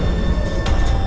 tidak ada yang bisa dipercaya